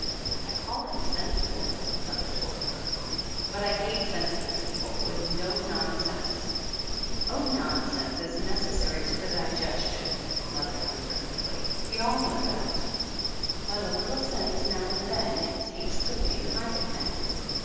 "I call it sensible," mother told her. "But I hate sensible people with no non sense !" "Oh, nonsense is necessary to the digestion," mother answered quickly, "we all know that. But a littk sense, now and then, it takes to pay the market men."